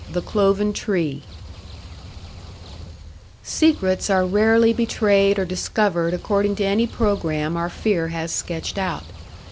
The Cloven Tree Secrets are rarely betrayed or discovered according to any programme our fear has sketched out.